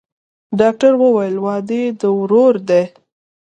ډاکتر وويل واده يې د ورور دىه.